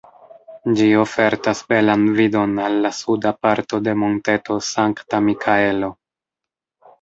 Ĝi ofertas belan vidon al la suda parto de Monteto Sankta-Mikaelo.